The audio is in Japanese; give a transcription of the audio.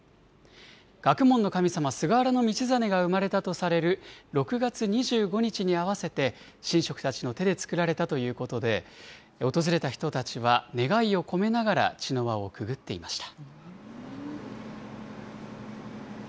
学問の神様、菅原道真が生まれたとされる６月２５日に合わせて、神職たちの手で作られたということで、訪れた人たちは、願いを込めながら、茅の輪をくぐっていました。